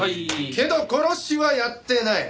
けど殺しはやってない。